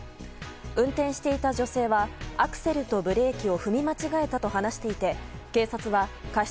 運転していた女性はアクセルとブレーキを踏み間違えたと話していて警察は過失